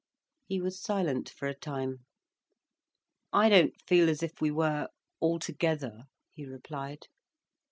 He was silent for a time. "I don't feel as if we were, altogether," he replied.